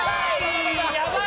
やばい！